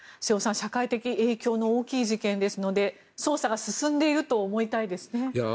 社会的影響の大きい事件ですので捜査が進んでいると思いたいですね。